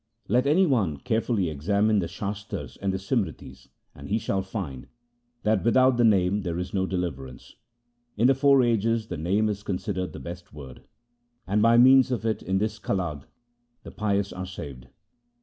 Let any one carefully examine the Shastars and Simritis, and he shall find LIFE OF GURU AMAR DAS 77 That without the Name there is no deliverance. In the four ages the Name is considered the best word, And by means of it in this Kalage the pious are saved.